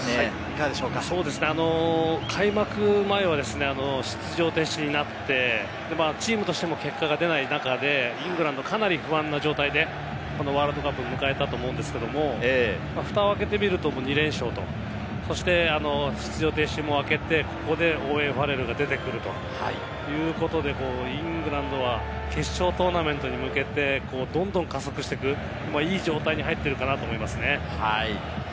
そうですね、開幕前は出場停止になって、チームとしても結果が出ない中でイングランド、かなり不安な状態でこのワールドカップを迎えたと思うんですけれども、ふたを開けてみると２連勝と出場停止も明けて、ここでオーウェン・ファレルが出てくるということで、イングランドは決勝トーナメントに向けて、どんどん加速していく、いい状態に入っているかなと思いますね。